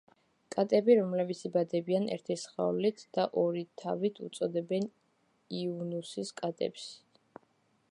კატები რომლებიც იბადებიან ერთი სხეულით და ორი თავით უწოდებენ იანუსის კატებს.